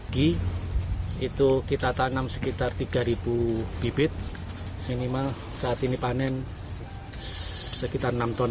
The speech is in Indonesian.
gi itu kita tanam sekitar tiga bibit minimal saat ini panen sekitar enam ton